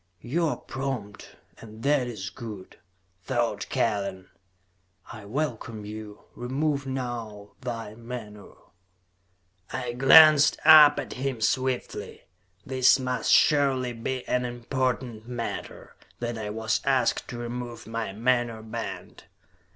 "You are prompt, and that is good," thought Kellen. "I welcome you. Remove now thy menore." I glanced up at him swiftly. This must surely be an important matter, that I was asked to remove my menore band.